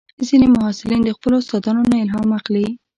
ځینې محصلین د خپلو استادانو نه الهام اخلي.